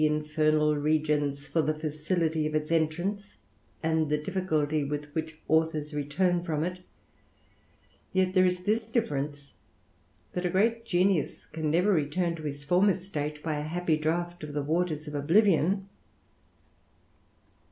infernal regions, for the facility of its entrance, and th difficulty with which authors return from it; yet there i this difference, that a great genius can never return to hi former state, by a happy draught of the waters of oblivion.